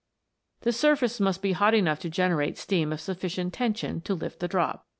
The surface must be hot enough to generate steam of sufficient tension to lift the drop.